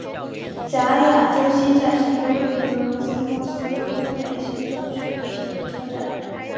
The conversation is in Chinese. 展览中心站是一个位于俄罗斯莫斯科东北行政区的铁路车站。